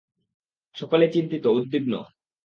সকলেই চিন্তিত, উদ্বিগ্ন।